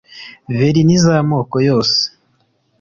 verini z’amako yose